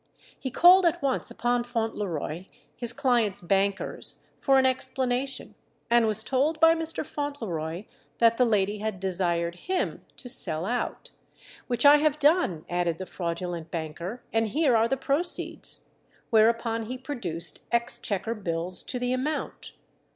He called at once upon Fauntleroy, his client's bankers, for an explanation, and was told by Mr. Fauntleroy that the lady had desired him to sell out, "which I have done," added the fraudulent banker, "and here are the proceeds," whereupon he produced exchequer bills to the amount.